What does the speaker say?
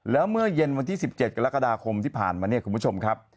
แล้วเมื่อเย็นวันที่๑๗กรกฎาคมที่ผ่านมาเนี่ยคุณผู้ชมครับ